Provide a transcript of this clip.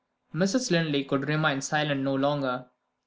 Mrs. Linley could remain silent no longer.